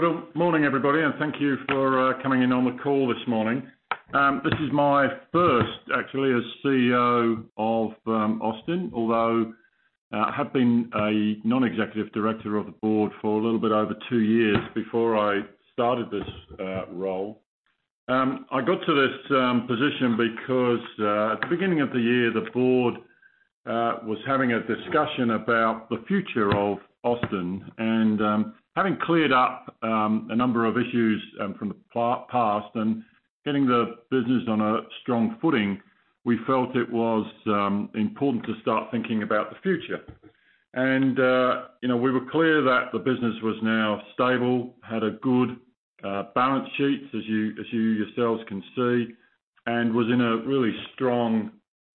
Good morning, everybody. Thank you for coming in on the call this morning. This is my first actually as CEO of Austin. Although I have been a non-executive director of the board for a little bit over two years before I started this role. I got to this position because at the beginning of the year, the board was having a discussion about the future of Austin. Having cleared up a number of issues from the past and getting the business on a strong footing, we felt it was important to start thinking about the future. We were clear that the business was now stable, had a good balance sheet, as you yourselves can see, and was in a really strong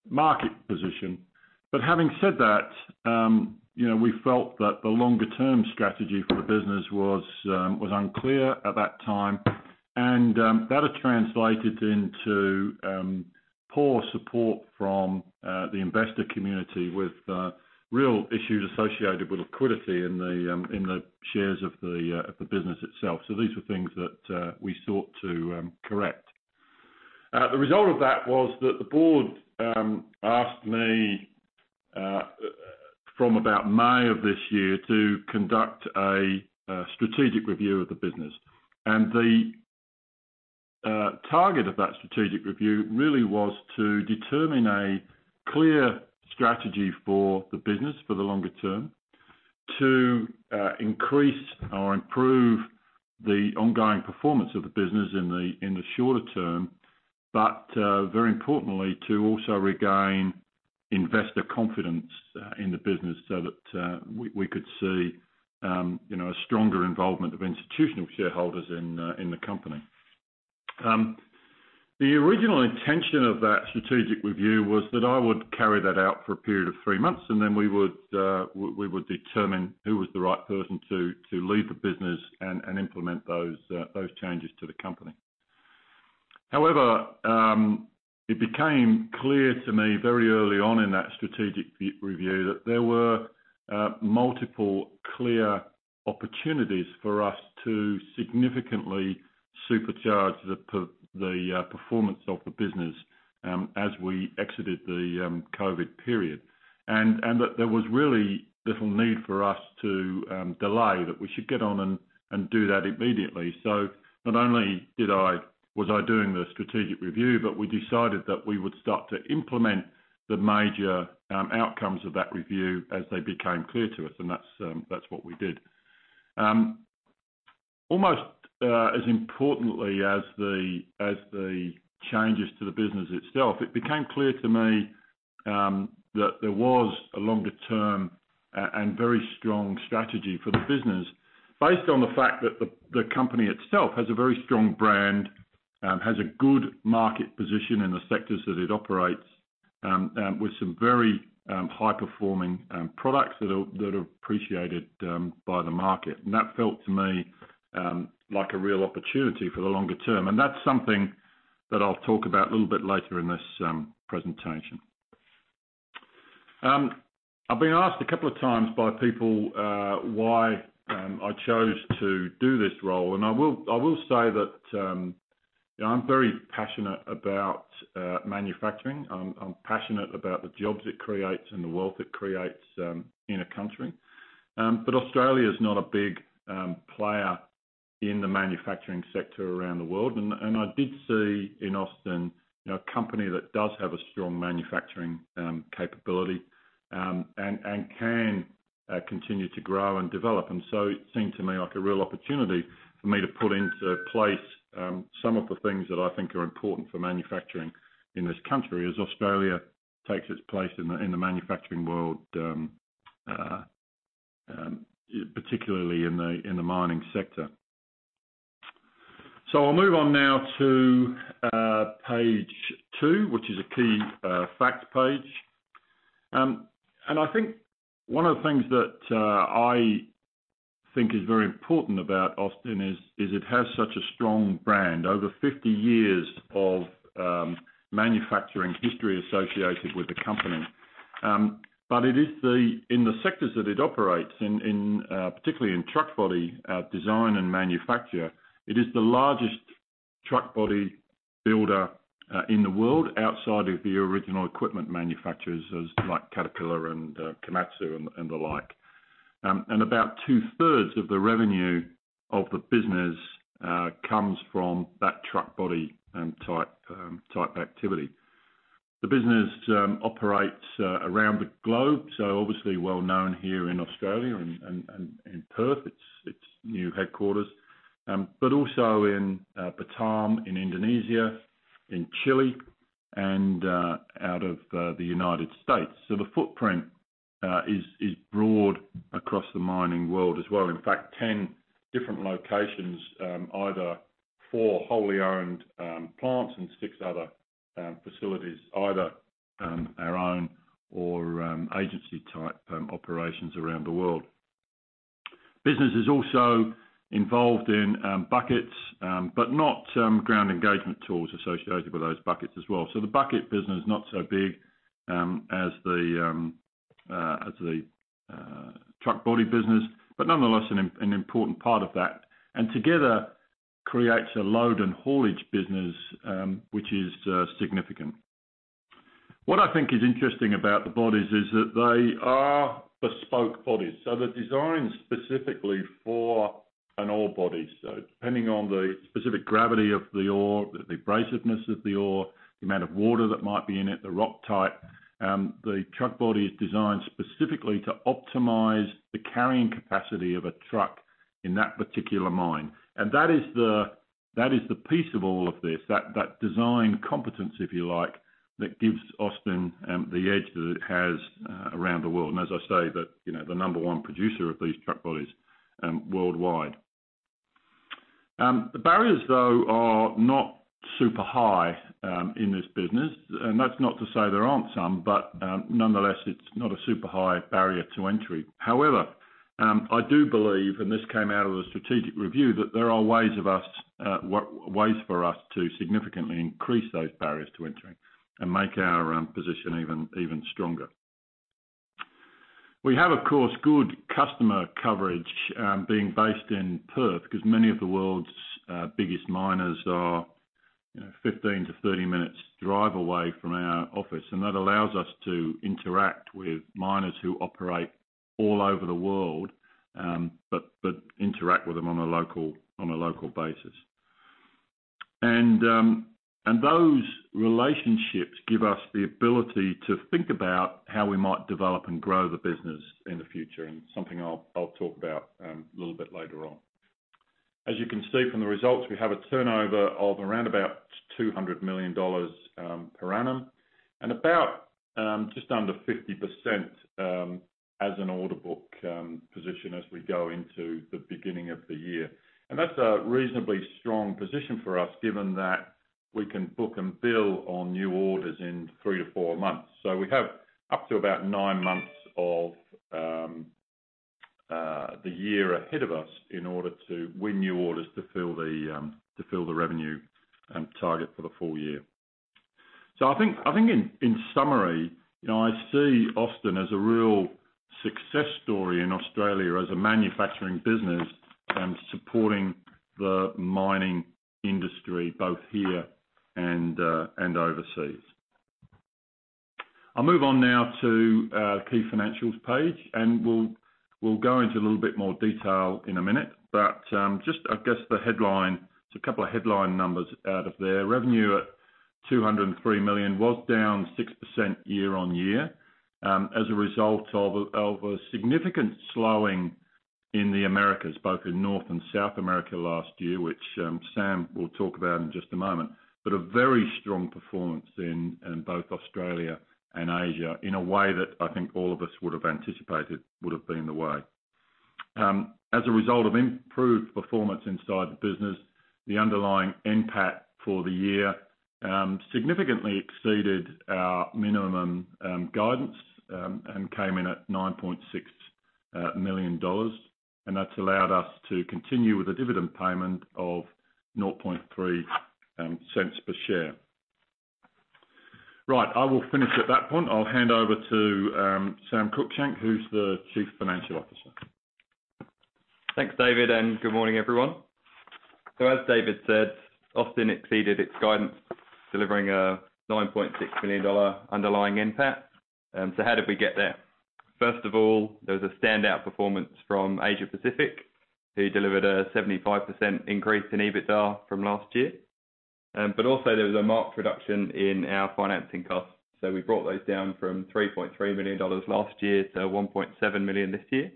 market position. Having said that, we felt that the longer-term strategy for the business was unclear at that time, and that had translated into poor support from the investor community with real issues associated with liquidity in the shares of the business itself. These were things that we sought to correct. The result of that was that the board asked me from about May of this year to conduct a strategic review of the business. The target of that strategic review really was to determine a clear strategy for the business for the longer term, to increase or improve the ongoing performance of the business in the shorter term. Very importantly, to also regain investor confidence in the business so that we could see a stronger involvement of institutional shareholders in the company. The original intention of that strategic review was that I would carry that out for a period of three months, and then we would determine who was the right person to lead the business and implement those changes to the company. However, it became clear to me very early on in that strategic review that there were multiple clear opportunities for us to significantly supercharge the performance of the business as we exited the COVID period. That there was really little need for us to delay, that we should get on and do that immediately. Not only was I doing the strategic review, but we decided that we would start to implement the major outcomes of that review as they became clear to us. That's what we did. Almost as importantly as the changes to the business itself, it became clear to me that there was a longer-term and very strong strategy for the business based on the fact that the company itself has a very strong brand, has a good market position in the sectors that it operates, with some very high-performing products that are appreciated by the market. That felt to me like a real opportunity for the longer term. That's something that I'll talk about a little bit later in this presentation. I've been asked a couple of times by people why I chose to do this role, and I will say that I'm very passionate about manufacturing. I'm passionate about the jobs it creates and the wealth it creates in a country. Australia is not a big player in the manufacturing sector around the world. I did see in Austin Engineering a company that does have a strong manufacturing capability and can continue to grow and develop. It seemed to me like a real opportunity for me to put into place some of the things that I think are important for manufacturing in this country as Australia takes its place in the manufacturing world, particularly in the mining sector. I'll move on now to page 2, which is a key facts page. I think one of the things that I think is very important about Austin Engineering is it has such a strong brand. Over 50 years of manufacturing history associated with the company. In the sectors that it operates, particularly in truck body design and manufacture, it is the largest truck body builder in the world outside of the original equipment manufacturers like Caterpillar Inc and Komatsu Ltd and the like. About two-thirds of the revenue of the business comes from that truck body-type activity. The business operates around the globe, obviously well known here in Australia and in Perth, its new headquarters. Also in Batam in Indonesia, in Chile, and out of the United States. The footprint is broad across the mining world as well. In fact, 10 different locations, either four wholly owned plants and six other facilities, either our own or agency-type operations around the world. Business is also involved in buckets but not ground engaging tools associated with those buckets as well. The bucket business is not so big as the truck body business. Nonetheless, an important part of that. Together creates a load and haulage business, which is significant. What I think is interesting about the bodies is that they are bespoke bodies. They're designed specifically for an ore body. Depending on the specific gravity of the ore, the abrasiveness of the ore, the amount of water that might be in it, the rock type, the truck body is designed specifically to optimize the carrying capacity of a truck in that particular mine. That is the piece of all of this, that design competence, if you like, that gives Austin the edge that it has around the world. As I say, the number one producer of these truck bodies worldwide. The barriers though are not super high in this business, and that's not to say there aren't some, but nonetheless, it's not a super high barrier to entry. However, I do believe, and this came out of the strategic review, that there are ways for us to significantly increase those barriers to entry and make our position even stronger. We have, of course, good customer coverage being based in Perth because many of the world's biggest miners are 15-30 minutes drive away from our office. That allows us to interact with miners who operate all over the world but interact with them on a local basis. Those relationships give us the ability to think about how we might develop and grow the business in the future and something I'll talk about a little bit later on. As you can see from the results, we have a turnover of around about 200 million dollars per annum and about just under 50% as an order book position as we go into the beginning of the year. That's a reasonably strong position for us given that we can book and bill on new orders in three to four months. We have up to about nine months of the year ahead of us in order to win new orders to fill the revenue target for the full year. I think in summary, I see Austin as a real success story in Australia as a manufacturing business and supporting the mining industry both here and overseas. I'll move on now to key financials page, and we'll go into a little bit more detail in a minute. Just, I guess the headline, a couple of headline numbers out of there. Revenue at 203 million was down 6% year-on-year as a result of a significant slowing in the Americas, both in North and South America last year, which Sam Cruickshank will talk about in just a moment. A very strong performance in both Australia and Asia in a way that I think all of us would have anticipated would have been the way. As a result of improved performance inside the business, the underlying NPAT for the year significantly exceeded our minimum guidance and came in at 9.6 million dollars. That's allowed us to continue with a dividend payment of 0.003 per share. Right. I will finish at that point. I'll hand over to Sam Cruickshank, who's the Chief Financial Officer. Thanks, David. Good morning, everyone. As David said, Austin exceeded its guidance, delivering an 9.6 million dollar underlying NPAT. How did we get there? First of all, there was a standout performance from Asia Pacific, who delivered a 75% increase in EBITDA from last year. Also there was a marked reduction in our financing costs. We brought those down from 3.3 million dollars last year to 1.7 million this year.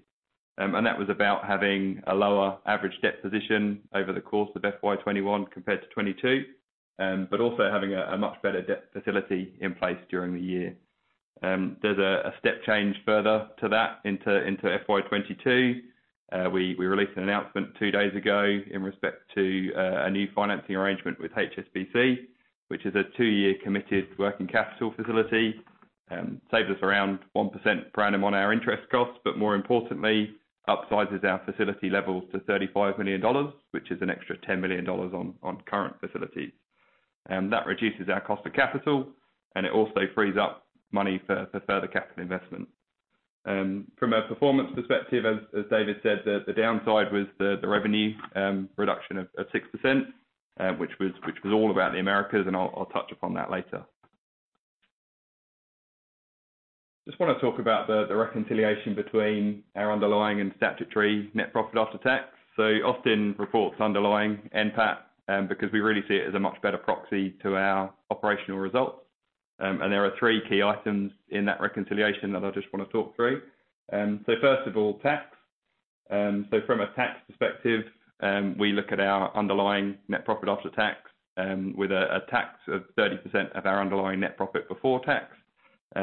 That was about having a lower average debt position over the course of FY 2021 compared to FY 2022. Also having a much better debt facility in place during the year. There's a step change further to that into FY 2022. We released an announcement two days ago in respect to a new financing arrangement with HSBC, which is a two-year committed working capital facility. Saved us around 1% per annum on our interest costs, but more importantly, upsizes our facility levels to 35 million dollars, which is an extra 10 million dollars on current facilities. That reduces our cost of capital, and it also frees up money for further capital investment. From a performance perspective, as David said, the downside was the revenue reduction of 6%, which was all about the Americas, and I'll touch upon that later. Just wanna talk about the reconciliation between our underlying and statutory net profit after tax. Austin reports underlying NPAT, because we really see it as a much better proxy to our operational results. There are three key items in that reconciliation that I just wanna talk through. First of all, tax. From a tax perspective, we look at our underlying net profit after tax with a tax of 30% of our underlying net profit before tax,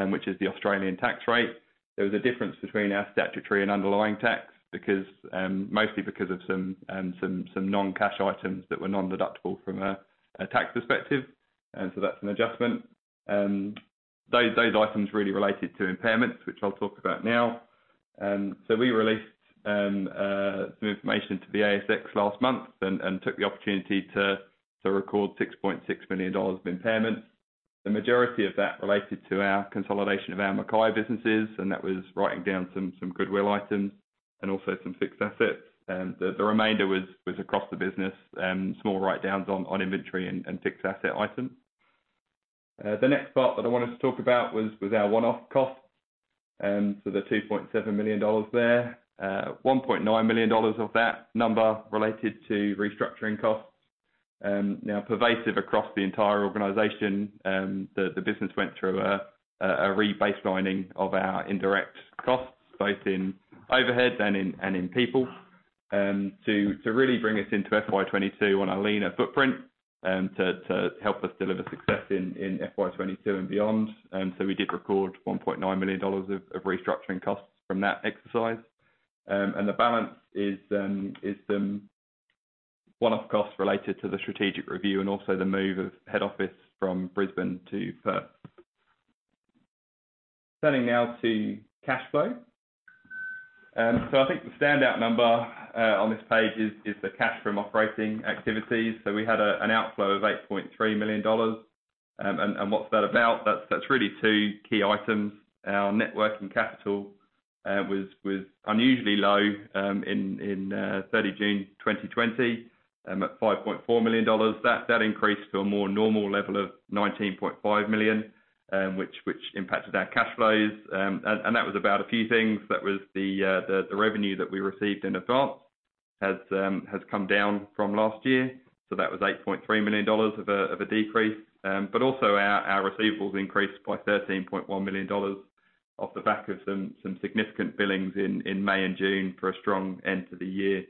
which is the Australian tax rate. There is a difference between our statutory and underlying tax, mostly because of some non-cash items that were non-deductible from a tax perspective. That's an adjustment. Those items really related to impairments, which I'll talk about now. We released some information to the ASX last month and took the opportunity to record 6.6 million dollars of impairment. The majority of that related to our consolidation of our Mackay businesses, and that was writing down some goodwill items and also some fixed assets. The remainder was across the business, small write-downs on inventory and fixed asset items. The next part that I wanted to talk about was our one-off costs. The 2.7 million dollars there. 1.9 million dollars of that number related to restructuring costs. Now pervasive across the entire organization, the business went through a rebaselining of our indirect costs, both in overhead and in people, to really bring us into FY 2022 on a leaner footprint to help us deliver success in FY 2022 and beyond. We did record 1.9 million dollars of restructuring costs from that exercise. The balance is the one-off costs related to the strategic review and also the move of head office from Brisbane to Perth. Turning now to cash flow. I think the standout number on this page is the cash from operating activities. We had an outflow of 8.3 million dollars. What's that about? That's really two key items. Our net working capital was unusually low in 30 June 2020, at 5.4 million dollars. That increased to a more normal level of 19.5 million, which impacted our cash flows. That was about a few things. That was the revenue that we received in advance has come down from last year. That was 8.3 million dollars of a decrease. Also our receivables increased by 13.1 million dollars off the back of some significant billings in May and June for a strong end to the year.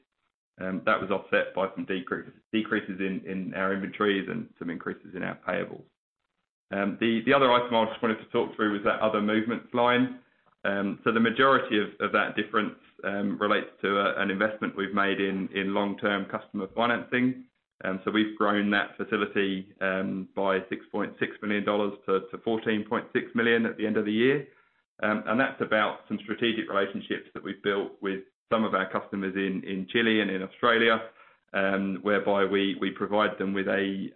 That was offset by some decreases in our inventories and some increases in our payables. The other item I just wanted to talk through was that other movements line. The majority of that difference relates to an investment we've made in long-term customer financing. We've grown that facility by 6.6 million dollars to 14.6 million at the end of the year. That's about some strategic relationships that we've built with some of our customers in Chile and in Australia, whereby we provide them with a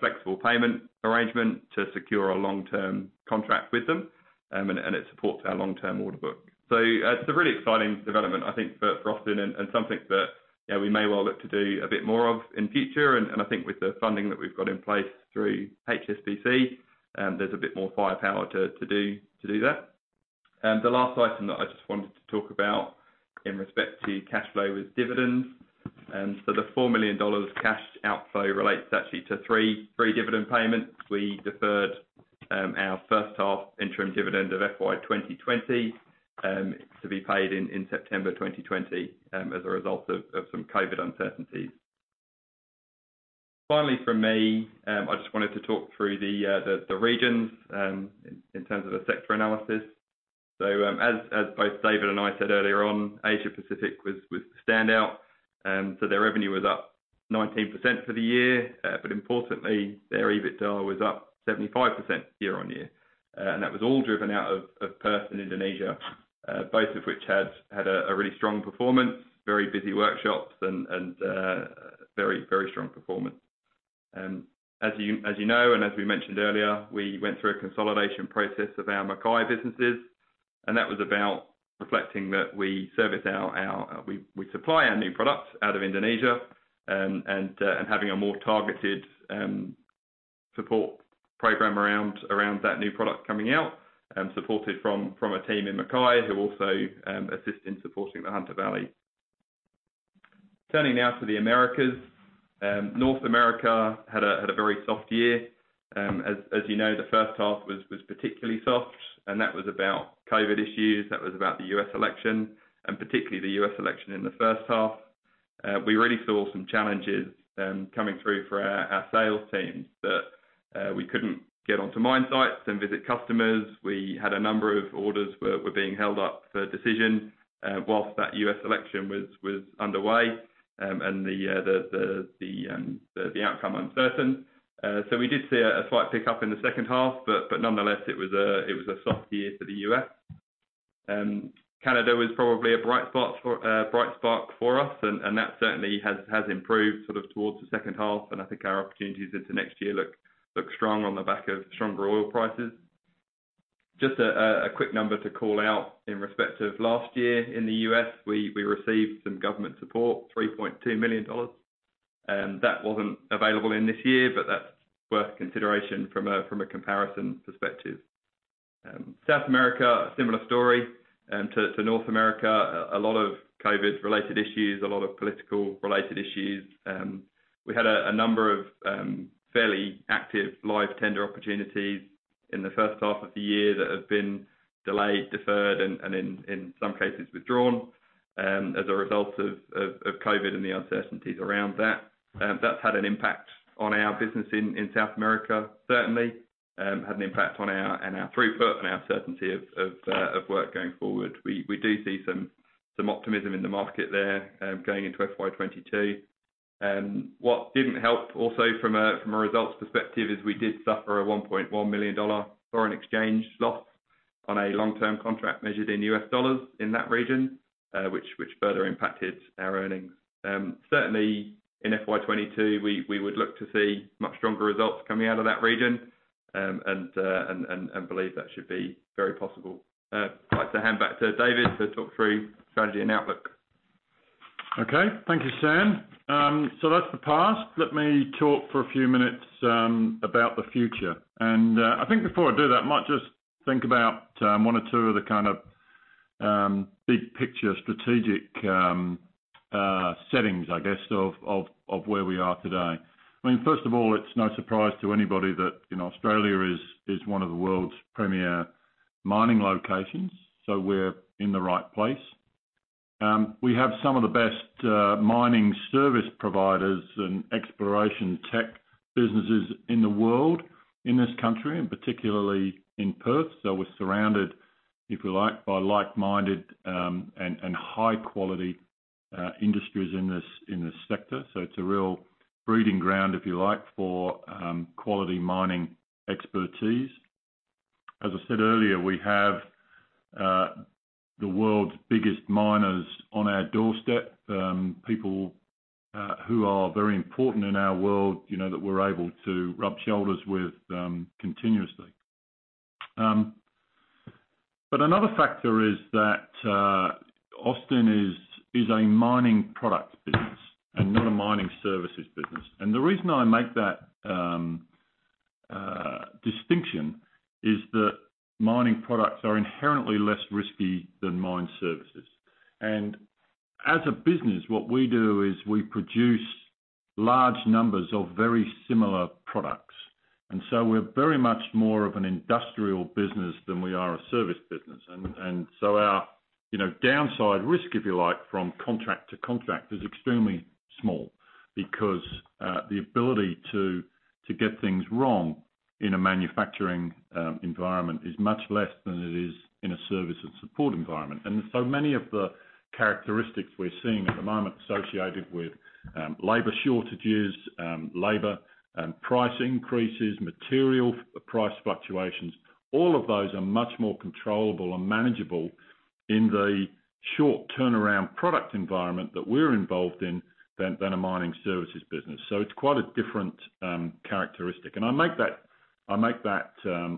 flexible payment arrangement to secure a long-term contract with them, and it supports our long-term order book. It's a really exciting development, I think, for Austin and something that we may well look to do a bit more of in future. I think with the funding that we've got in place through HSBC, there's a bit more firepower to do that. The last item that I just wanted to talk about in respect to cash flow is dividends. The 4 million dollars cash outflow relates actually to three dividend payments. We deferred our first half interim dividend of FY 2020 to be paid in September 2020 as a result of some COVID uncertainties. Finally from me, I just wanted to talk through the regions in terms of a sector analysis. As both David and I said earlier on, Asia Pacific was the standout. Their revenue was up 19% for the year. Importantly, their EBITDA was up 75% year-on-year. That was all driven out of Perth and Indonesia, both of which had a really strong performance, very busy workshops and very strong performance. As you know and as we mentioned earlier, we went through a consolidation process of our Mackay businesses, and that was about reflecting that we supply our new products out of Indonesia and having a more targeted support program around that new product coming out and supported from a team in Mackay who also assist in supporting the Hunter Valley. Turning now to the Americas. North America had a very soft year. As you know, the first half was particularly soft, and that was about COVID issues. That was about the U.S. election, and particularly the U.S. election in the first half. We really saw some challenges coming through for our sales teams that we couldn't get onto mine sites and visit customers. We had a number of orders were being held up for decision whilst that U.S. election was underway and the outcome uncertain. We did see a slight pickup in the second half, but nonetheless, it was a soft year for the U.S. Canada was probably a bright spot for us, and that certainly has improved sort of towards the second half, and I think our opportunities into next year look strong on the back of stronger oil prices. Just a quick number to call out in respect of last year in the U.S., we received some government support, 3.2 million dollars. That wasn't available in this year, but that's worth consideration from a comparison perspective. South America, a similar story to North America. A lot of COVID-related issues, a lot of political related issues. We had a number of fairly active live tender opportunities in the first half of the year that have been delayed, deferred, and in some cases withdrawn as a result of COVID and the uncertainties around that. That's had an impact on our business in South America, certainly. Had an impact on our throughput and our certainty of work going forward. We do see some optimism in the market there going into FY 2022. What didn't help also from a results perspective is we did suffer a $1.1 million foreign exchange loss on a long-term contract measured in US dollars in that region, which further impacted our earnings. Certainly, in FY 2022, we would look to see much stronger results coming out of that region, and believe that should be very possible. I'd like to hand back to David to talk through strategy and outlook. Okay. Thank you, Sam. That's the past. Let me talk for a few minutes about the future. I think before I do that, I might just think about one or two of the kind of big-picture strategic settings, I guess, of where we are today. First of all, it's no surprise to anybody that Australia is one of the world's premier mining locations, we're in the right place. We have some of the best mining service providers and exploration tech businesses in the world in this country, particularly in Perth. We're surrounded, if you like, by like-minded and high-quality industries in this sector. It's a real breeding ground, if you like, for quality mining expertise. As I said earlier, we have the world's biggest miners on our doorstep. People who are very important in our world, that we're able to rub shoulders with continuously. Another factor is that Austin is a mining product business and not a mining services business. The reason I make that distinction is that mining products are inherently less risky than mine services. As a business, what we do is we produce large numbers of very similar products. So we're very much more of an industrial business than we are a service business. So our downside risk, if you like, from contract to contract is extremely small because the ability to get things wrong in a manufacturing environment is much less than it is in a service and support environment. So many of the characteristics we're seeing at the moment associated with labor shortages, labor price increases, material price fluctuations, all of those are much more controllable and manageable in the short turnaround product environment that we're involved in than a mining services business. It's quite a different characteristic. I make that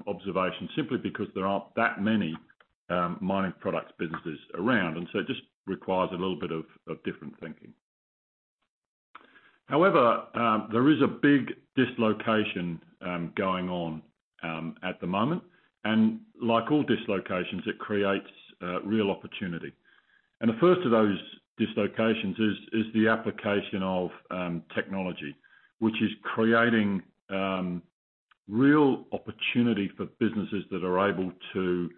observation simply because there aren't that many mining products businesses around, and so it just requires a little bit of different thinking. There is a big dislocation going on at the moment, and like all dislocations, it creates real opportunity. The first of those dislocations is the application of technology, which is creating real opportunity for businesses that are able to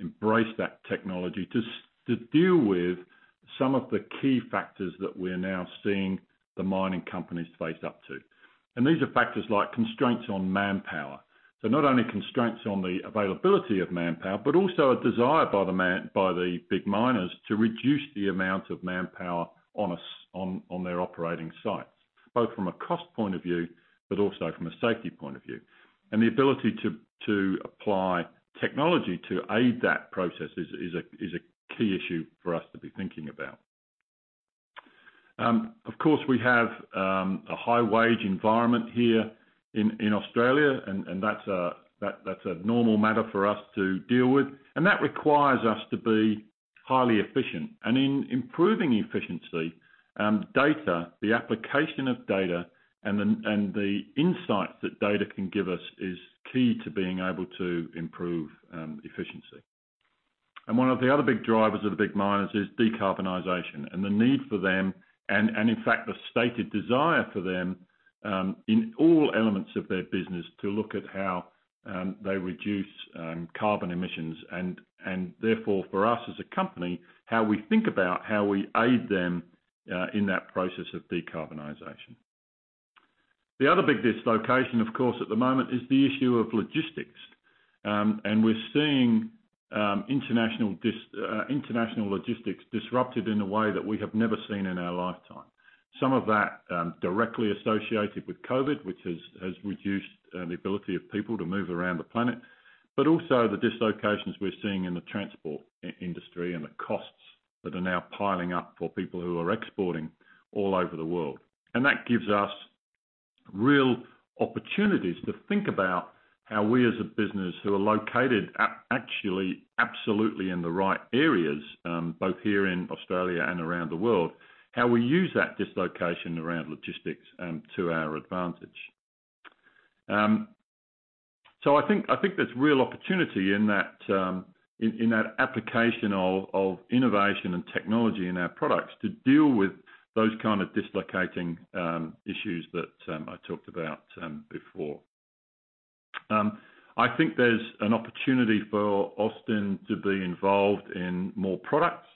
embrace that technology to deal with some of the key factors that we're now seeing the mining companies face up to. These are factors like constraints on manpower. Not only constraints on the availability of manpower, but also a desire by the big miners to reduce the amount of manpower on their operating sites, both from a cost point of view, but also from a safety point of view. The ability to apply technology to aid that process is a key issue for us to be thinking about. Of course, we have a high-wage environment here in Australia, and that's a normal matter for us to deal with. That requires us to be highly efficient. In improving efficiency, data, the application of data, and the insights that data can give us is key to being able to improve efficiency. One of the other big drivers of the big miners is decarbonization and the need for them, and in fact, the stated desire for them, in all elements of their business to look at how they reduce carbon emissions and therefore for us as a company, how we think about how we aid them in that process of decarbonization. The other big dislocation, of course, at the moment is the issue of logistics. We're seeing international logistics disrupted in a way that we have never seen in our lifetime. Some of that directly associated with COVID, which has reduced the ability of people to move around the planet, but also the dislocations we're seeing in the transport industry and the costs that are now piling up for people who are exporting all over the world. That gives us real opportunities to think about how we as a business who are located actually absolutely in the right areas, both here in Australia and around the world, how we use that dislocation around logistics to our advantage. I think there's real opportunity in that application of innovation and technology in our products to deal with those kind of dislocating issues that I talked about before. I think there's an opportunity for Austin to be involved in more products,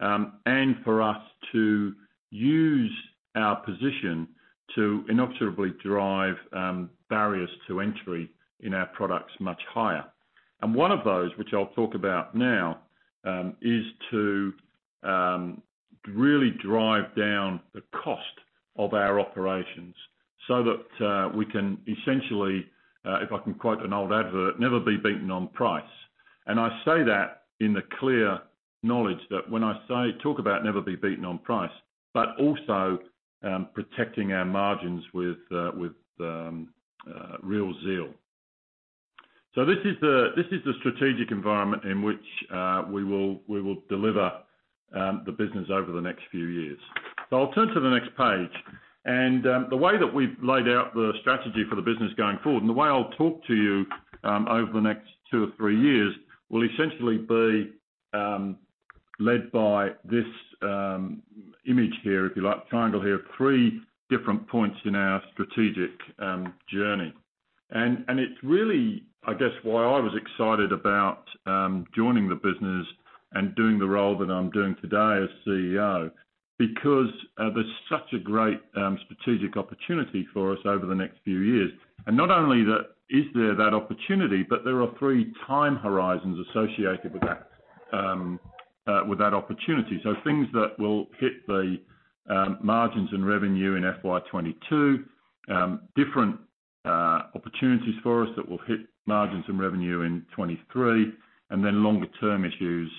and for us to use our position to inexo drive barriers to entry in our products much higher. One of those, which I'll talk about now, is to really drive down the cost of our operations so that we can essentially, if I can quote an old advert, never be beaten on price. I say that in the clear knowledge that when I talk about never be beaten on price, but also protecting our margins with real zeal. This is the strategic environment in which we will deliver the business over the next few years. I'll turn to the next page. The way that we've laid out the strategy for the business going forward and the way I'll talk to you over the next two or three years will essentially be led by this image here, triangle here, of three different points in our strategic journey. It's really, I guess, why I was excited about joining the business and doing the role that I'm doing today as CEO, because there's such a great strategic opportunity for us over the next few years. Not only is there that opportunity, but there are 3x horizons associated with that opportunity. Things that will hit the margins and revenue in FY 2022, different opportunities for us that will hit margins and revenue in FY 2023, and then longer term issues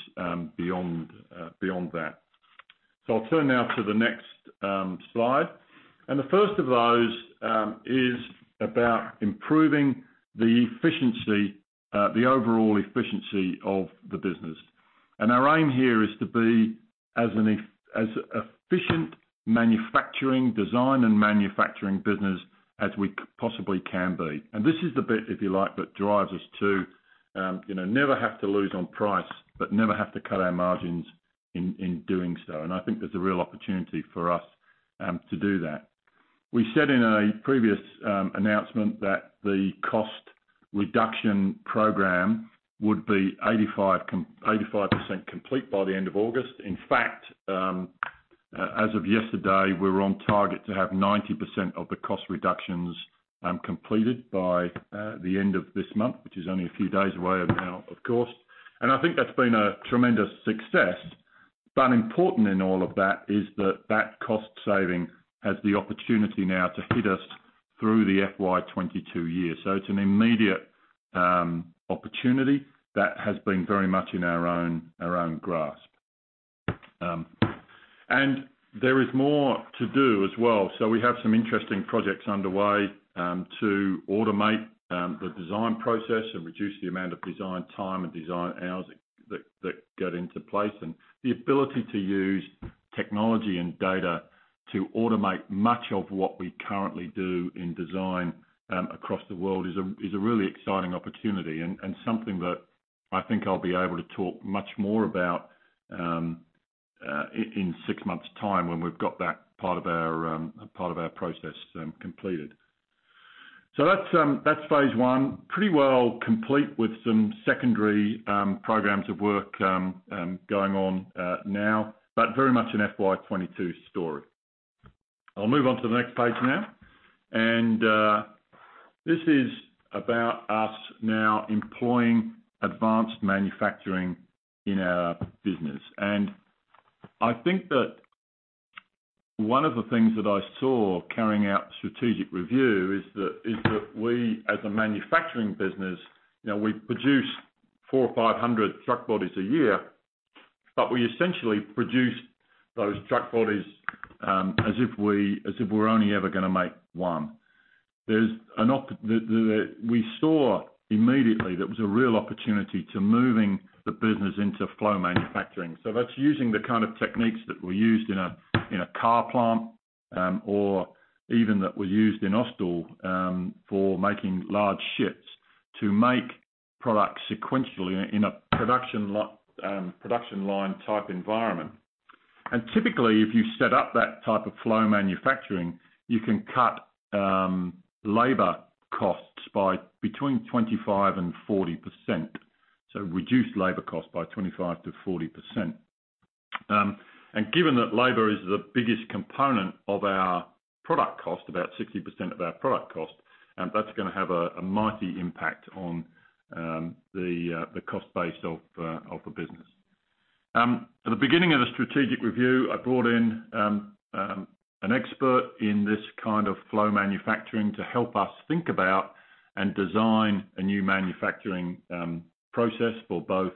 beyond that. I'll turn now to the next slide. The first of those is about improving the overall efficiency of the business. Our aim here is to be as efficient design and manufacturing business as we possibly can be. This is the bit, if you like, that drives us to never have to lose on price, but never have to cut our margins in doing so. I think there's a real opportunity for us to do that. We said in a previous announcement that the cost reduction program would be 85% complete by the end of August. In fact, as of yesterday, we're on target to have 90% of the cost reductions completed by the end of this month, which is only a few days away as of now, of course. I think that's been a tremendous success. Important in all of that is that cost saving has the opportunity now to hit us through the FY 2022 year. It's an immediate opportunity that has been very much in our own grasp. There is more to do as well. We have some interesting projects underway to automate the design process and reduce the amount of design time and design hours that go into place. The ability to use technology and data to automate much of what we currently do in design across the world is a really exciting opportunity and something that I think I'll be able to talk much more about in six months' time when we've got that part of our process completed. That's phase 1. Pretty well complete with some secondary programs of work going on now, but very much an FY 2022 story. I'll move on to the next page now. This is about us now employing advanced manufacturing in our business. I think that one of the things that I saw carrying out strategic review is that we as a manufacturing business, we produce 400 or 500 truck bodies a year, but we essentially produce those truck bodies as if we're only ever going to make one. We saw immediately there was a real opportunity to moving the business into flow manufacturing. That's using the kind of techniques that were used in a car plant, or even that were used in Austal for making large ships to make products sequentially in a production line type environment. Typically, if you set up that type of flow manufacturing, you can cut labor costs by between 25%-40%. Reduce labor cost by 25%-40%. Given that labor is the biggest component of our product cost, about 60% of our product cost, that's gonna have a mighty impact on the cost base of the business. At the beginning of the strategic review, I brought in an expert in this kind of flow manufacturing to help us think about and design a new manufacturing process for both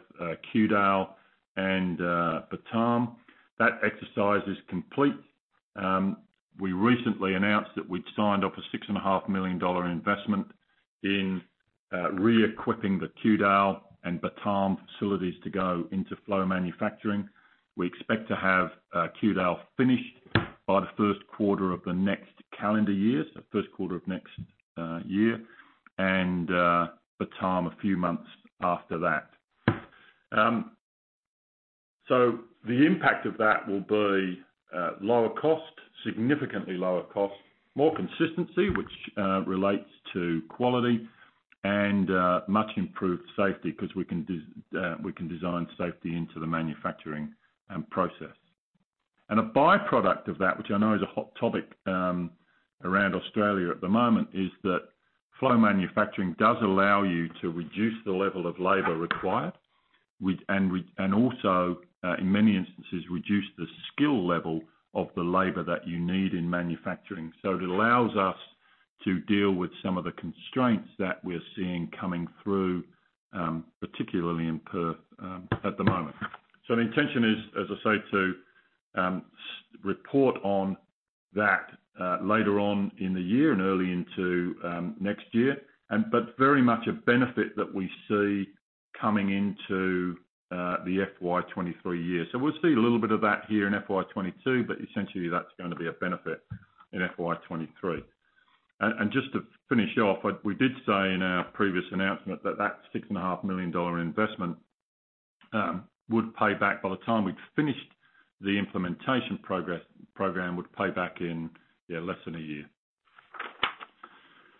Kewdale and Batam. That exercise is complete. We recently announced that we'd signed off a 6.5 million dollar investment in re-equipping the Kewdale and Batam facilities to go into flow manufacturing. We expect to have Kewdale finished by the first quarter of the next calendar year, so first quarter of next year, and Batam a few months after that. The impact of that will be lower cost, significantly lower cost, more consistency, which relates to quality, and much improved safety because we can design safety into the manufacturing process. A byproduct of that, which I know is a hot topic around Australia at the moment, is that flow manufacturing does allow you to reduce the level of labor required, and also, in many instances, reduce the skill level of the labor that you need in manufacturing. It allows us to deal with some of the constraints that we're seeing coming through, particularly in Perth at the moment. The intention is, as I say, to report on that later on in the year and early into next year, but very much a benefit that we see coming into the FY 2023 year. We'll see a little bit of that here in FY 2022, but essentially that's going to be a benefit in FY 2023. Just to finish off, we did say in our previous announcement that $6.5 million investment would pay back by the time we'd finished the implementation program, would pay back in less than a year.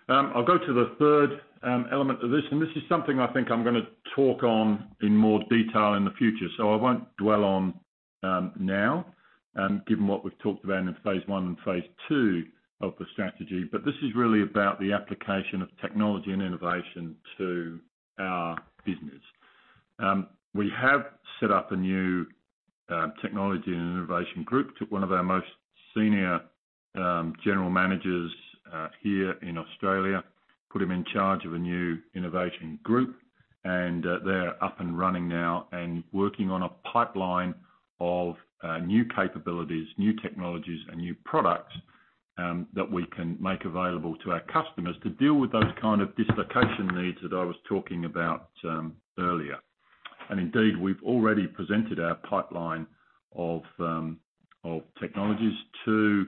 I'll go to the third element of this, and this is something I think I'm going to talk on in more detail in the future. I won't dwell on now, given what we've talked about in phase one and phase two of the strategy. This is really about the application of technology and innovation to our business. We have set up a new technology and innovation group. Took one of our most senior general managers here in Australia, put him in charge of a new innovation group, and they're up and running now and working on a pipeline of new capabilities, new technologies, and new products that we can make available to our customers to deal with those kind of dislocation needs that I was talking about earlier. Indeed, we've already presented our pipeline of technologies for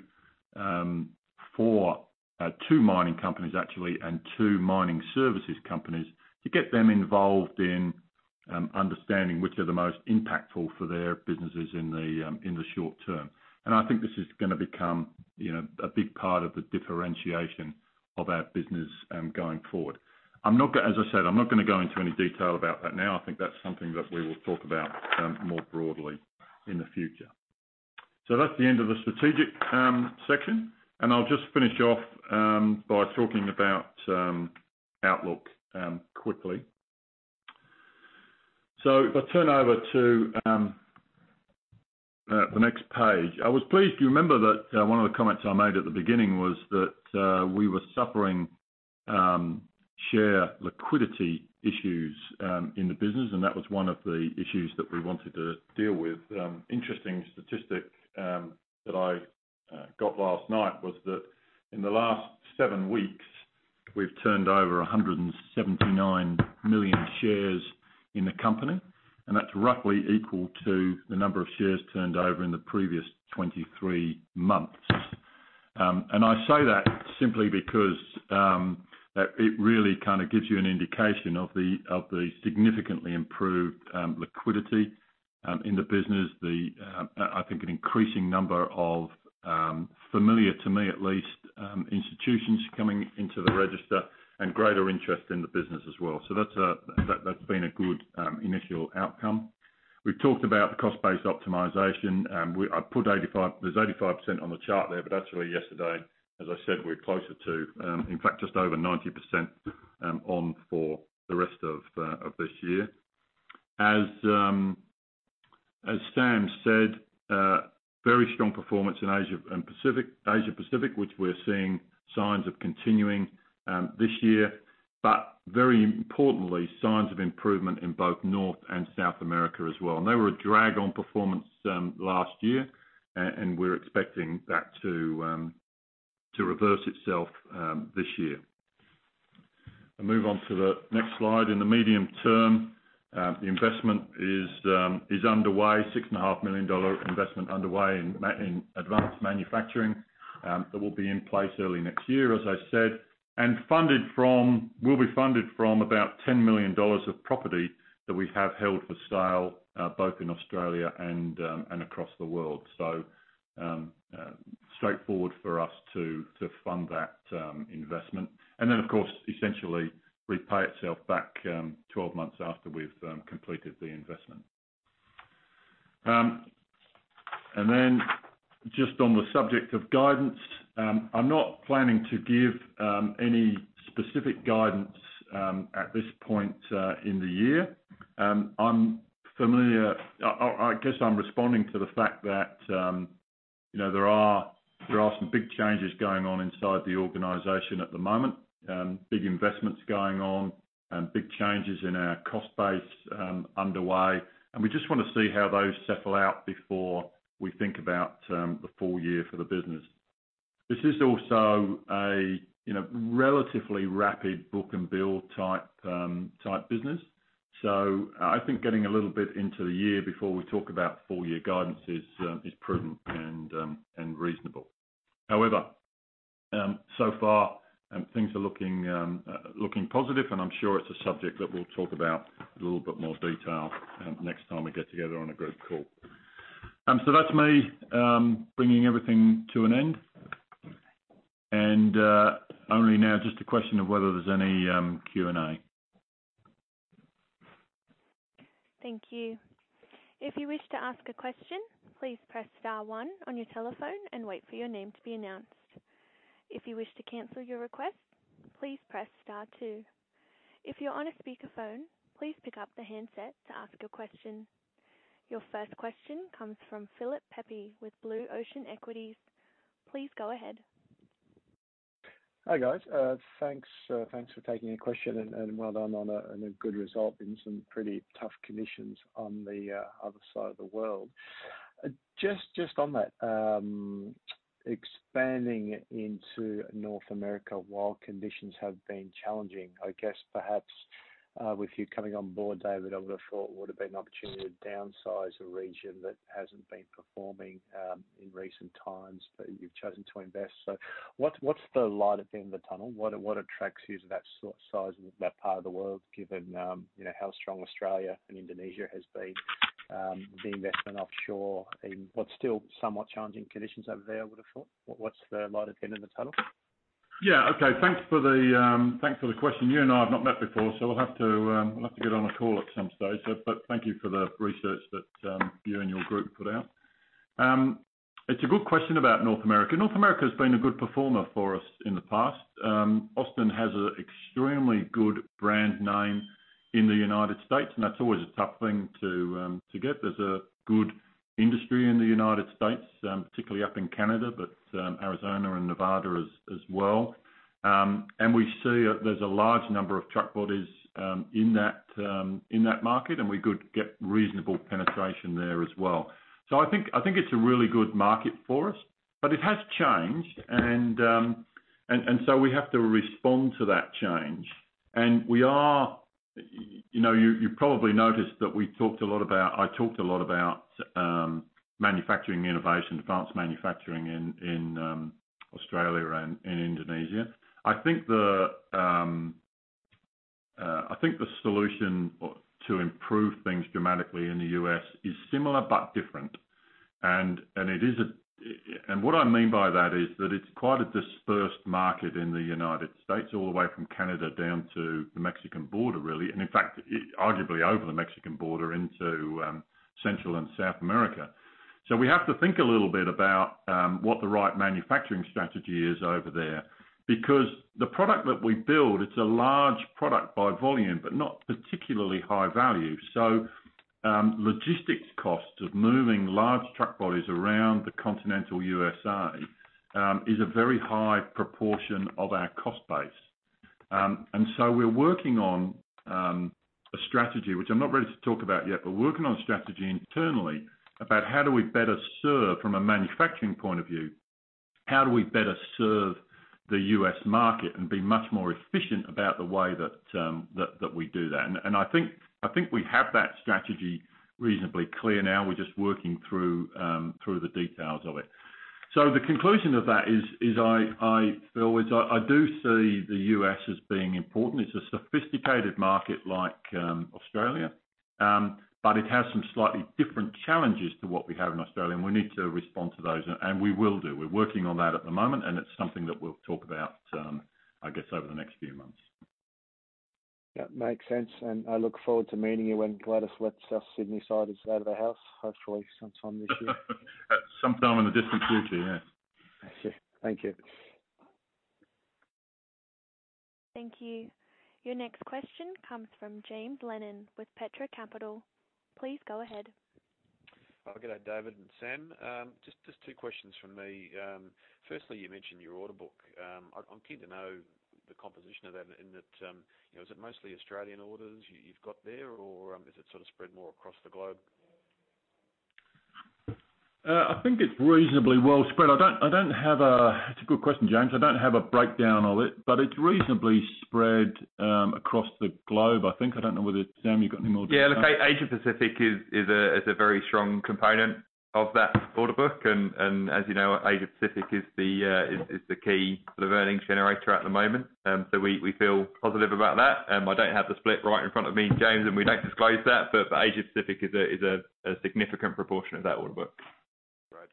two mining companies, actually, and two mining services companies to get them involved in understanding which are the most impactful for their businesses in the short term. I think this is going to become a big part of the differentiation of our business going forward. As I said, I'm not going to go into any detail about that now. I think that's something that we will talk about more broadly in the future. That's the end of the strategic section, and I'll just finish off by talking about outlook quickly. If I turn over to the next page, I was pleased. Do you remember that one of the comments I made at the beginning was that we were suffering share liquidity issues in the business, and that was one of the issues that we wanted to deal with? Interesting statistic that I got last night was that in the last seven weeks, we've turned over 179 million shares in the company, and that's roughly equal to the number of shares turned over in the previous 23 months. I say that simply because it really kind of gives you an indication of the significantly improved liquidity in the business. I think an increasing number of, familiar to me at least, institutions coming into the register and greater interest in the business as well. That's been a good initial outcome. We've talked about the cost-based optimization. There's 85% on the chart there, that's really yesterday. As I said, we're closer to, in fact, just over 90% on for the rest of this year. As Sam said, very strong performance in Asia-Pacific, which we're seeing signs of continuing this year, very importantly, signs of improvement in both North and South America as well. They were a drag on performance last year, we're expecting that to reverse itself this year. I move on to the next slide. In the medium term, the investment is underway. 6.5 million dollar investment underway in advanced manufacturing that will be in place early next year, as I said, and will be funded from about 10 million dollars of property that we have held for sale, both in Australia and across the world. Straightforward for us to fund that investment. Of course, essentially repay itself back 12 months after we've completed the investment. Just on the subject of guidance, I'm not planning to give any specific guidance at this point in the year. I guess I'm responding to the fact that there are some big changes going on inside the organization at the moment. Big investments going on and big changes in our cost base underway, and we just want to see how those settle out before we think about the full year for the business. This is also a relatively rapid book and bill type business. I think getting a little bit into the year before we talk about full year guidance is prudent and reasonable. However, so far things are looking positive, and I'm sure it's a subject that we'll talk about in a little bit more detail next time we get together on a group call. That's me bringing everything to an end. Only now just a question of whether there's any Q&A. Your first question comes from Philip Pepe with Blue Ocean Equities. Please go ahead. Hi, guys. Thanks for taking the question, well done on a good result in some pretty tough conditions on the other side of the world. Just on that, expanding into North America while conditions have been challenging, I guess perhaps with you coming on board, David, I would have thought it would have been an opportunity to downsize a region that hasn't been performing in recent times, you've chosen to invest. What's the light at the end of the tunnel? What attracts you to that size in that part of the world, given how strong Australia and Indonesia has been, the investment offshore in what's still somewhat challenging conditions over there, I would have thought? What's the light at the end of the tunnel? Yeah. Okay. Thanks for the question. You and I have not met before, so we'll have to get on a call at some stage, but thank you for the research that you and your group put out. It's a good question about North America. North America has been a good performer for us in the past. Austin has an extremely good brand name in the United States, and that's always a tough thing to get. There's a good industry in the United States, particularly up in Canada, but Arizona and Nevada as well. We see there's a large number of truck bodies in that market, and we could get reasonable penetration there as well. I think it's a really good market for us, but it has changed, and so we have to respond to that change. You probably noticed that I talked a lot about manufacturing innovation, advanced manufacturing in Australia and in Indonesia. I think the solution to improve things dramatically in the U.S. is similar but different. What I mean by that is that it's quite a dispersed market in the United States, all the way from Canada down to the Mexican border, really. In fact, arguably over the Mexican border into Central and South America. We have to think a little bit about what the right manufacturing strategy is over there because the product that we build, it's a large product by volume, but not particularly high value. Logistics costs of moving large truck bodies around the continental U.S.A. is a very high proportion of our cost base. We're working on a strategy, which I'm not ready to talk about yet, but working on a strategy internally about how do we better serve from a manufacturing point of view, how do we better serve the U.S. market and be much more efficient about the way that we do that. I think we have that strategy reasonably clear now. We're just working through the details of it. The conclusion of that is, Philip, is I do see the U.S. as being important. It's a sophisticated market like Australia, but it has some slightly different challenges to what we have in Australia, and we need to respond to those, and we will do. We're working on that at the moment, and it's something that we'll talk about, I guess, over the next few months. Yeah, makes sense. I look forward to meeting you when Gladys lets us Sydneysiders out of the house, hopefully sometime this year. Sometime in the distant future, yeah. Thank you. Thank you. Your next question comes from James Lennon with Petra Capital. Please go ahead. Good day, David and Sam. Just two questions from me. Firstly, you mentioned your order book. I'm keen to know the composition of that and is it mostly Australian orders you've got there, or is it sort of spread more across the globe? I think it's reasonably well spread. It's a good question, James. I don't have a breakdown of it, but it's reasonably spread across the globe, I think. I don't know whether, Sam, you've got any more details? Yeah. Look, Asia Pacific is a very strong component of that order book. As you know, Asia Pacific is the key sort of earnings generator at the moment. We feel positive about that. I don't have the split right in front of me, James, and we don't disclose that, but Asia Pacific is a significant proportion of that order book. Great.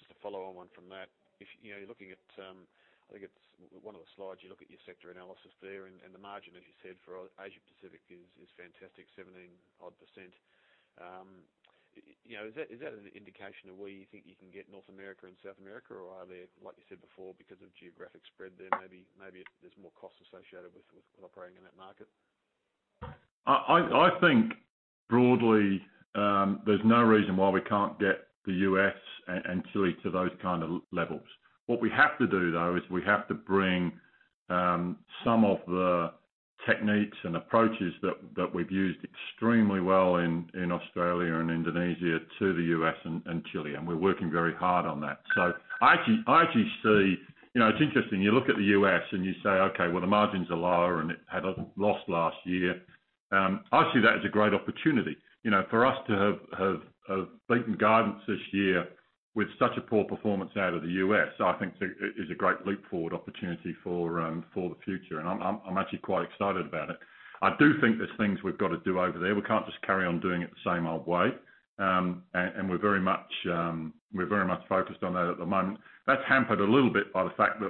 Just a follow-on one from that. I think it's one of the slides, you look at your sector analysis there and the margin, as you said, for Asia Pacific is fantastic, 17%-odd. Is that an indication of where you think you can get North America and South America? Are they, like you said before, because of geographic spread there, maybe there's more costs associated with operating in that market? I think broadly, there's no reason why we can't get the U.S. and Chile to those kind of levels. What we have to do, though, is we have to bring some of the techniques and approaches that we've used extremely well in Australia and Indonesia to the U.S. and Chile, and we're working very hard on that. It's interesting, you look at the U.S. and you say, "Okay, well, the margins are lower and it had a loss last year." I see that as a great opportunity. For us to have beaten guidance this year with such a poor performance out of the U.S., I think is a great leap forward opportunity for the future, and I'm actually quite excited about it. I do think there's things we've got to do over there. We can't just carry on doing it the same old way, and we're very much focused on that at the moment. That's hampered a little bit by the fact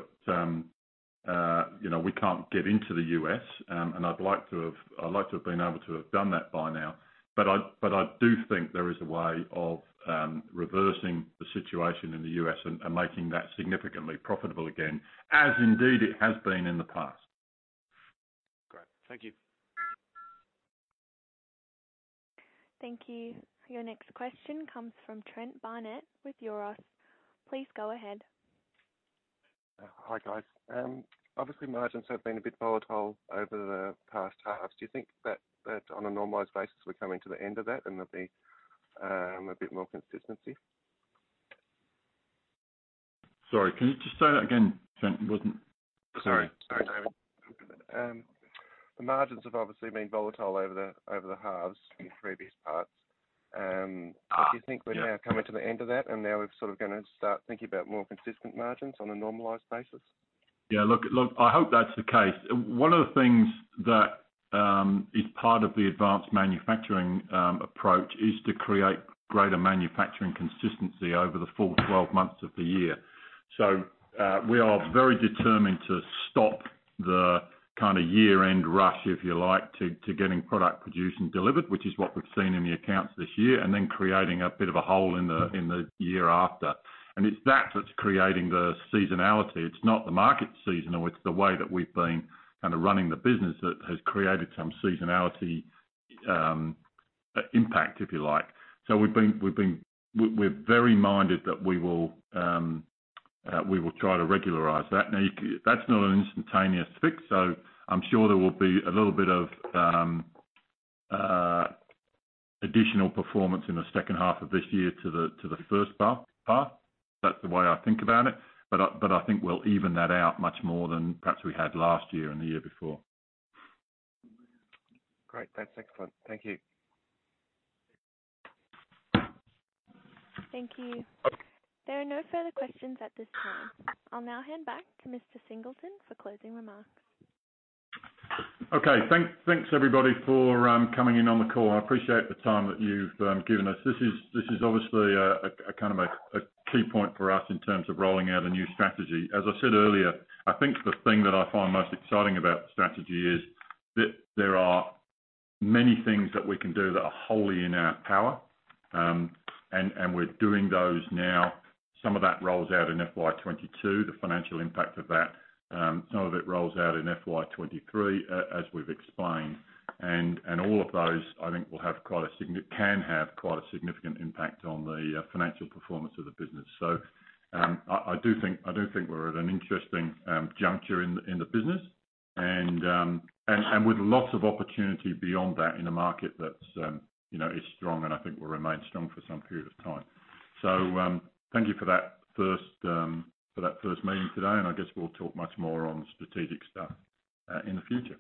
We can't get into the U.S., and I'd like to have been able to have done that by now. I do think there is a way of reversing the situation in the U.S. and making that significantly profitable again, as indeed it has been in the past. Great. Thank you. Thank you. Your next question comes from Trent Barnett with Euroz. Please go ahead. Hi, guys. Obviously, margins have been a bit volatile over the past halves. Do you think that on a normalized basis, we're coming to the end of that and there'll be a bit more consistency? Sorry, can you just say that again, Trent? Sorry. Sorry, David. The margins have obviously been volatile over the halves in previous parts. Yeah. Do you think we're now coming to the end of that, and now we're sort of gonna start thinking about more consistent margins on a normalized basis? Yeah, look, I hope that's the case. One of the things that is part of the advanced manufacturing approach is to create greater manufacturing consistency over the full 12 months of the year. We are very determined to stop the kind of year-end rush, if you like, to getting product produced and delivered, which is what we've seen in the accounts this year, and then creating a bit of a hole in the year after. It's that that's creating the seasonality. It's not the market seasonality, it's the way that we've been kind of running the business that has created some seasonality impact, if you like. We're very minded that we will try to regularize that. That's not an instantaneous fix. I'm sure there will be a little bit of additional performance in the second half of this year to the first half. That's the way I think about it. I think we'll even that out much more than perhaps we had last year and the year before. Great. That's excellent. Thank you. Thank you. There are no further questions at this time. I will now hand back to Mr. Singleton for closing remarks. Thanks everybody for coming in on the call. I appreciate the time that you've given us. This is obviously a kind of key point for us in terms of rolling out a new strategy. As I said earlier, I think the thing that I find most exciting about the strategy is that there are many things that we can do that are wholly in our power, and we're doing those now. Some of that rolls out in FY 2022, the financial impact of that. Some of it rolls out in FY 2023, as we've explained. All of those, I think, can have quite a significant impact on the financial performance of the business. I do think we're at an interesting juncture in the business and with lots of opportunity beyond that in a market that is strong and I think will remain strong for some period of time. Thank you for that first meeting today, and I guess we'll talk much more on strategic stuff in the future.